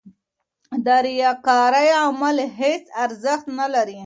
د ریاکارۍ عمل هېڅ ارزښت نه لري.